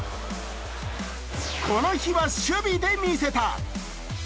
この日は守備で見せた。